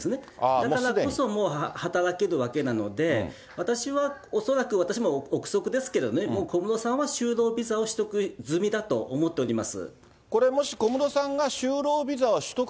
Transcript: だからこそ、もう働けるわけなので、私は恐らく、私も臆測ですけどね、もう小室さんは就労ビザを取得済みだと思っております。